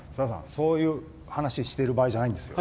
そういう話をしてる場合じゃないんですよ。